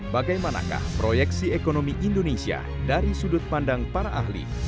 bagaimanakah proyeksi ekonomi indonesia dari sudut pandang para ahli